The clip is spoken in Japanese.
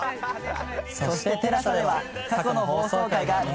そしてＴＥＬＡＳＡでは過去の放送回が見放題です。